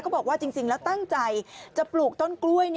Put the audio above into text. บอกว่าจริงแล้วตั้งใจจะปลูกต้นกล้วย